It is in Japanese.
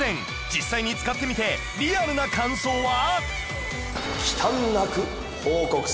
実際に使ってみてリアルな感想は？